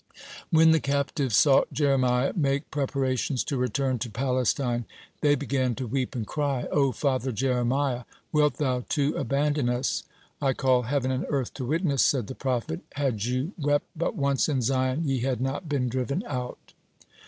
(42) When the captives saw Jeremiah make preparations to return to Palestine, they began to weep and cry: "O Father Jeremiah, wilt thou, too, abandon us?" "I call heaven and earth to witness," said the prophet, "had you wept but once in Zion, ye had not been driven out."